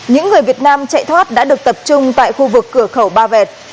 những người việt nam chạy thoát đã được tập trung tại khu vực cửa khẩu ba vẹt